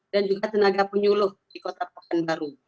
dan juga tenaga penyuluh di kota pekanbaru